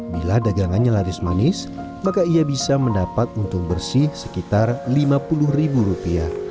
bila dagangannya laris manis maka ia bisa mendapat untung bersih sekitar rp lima puluh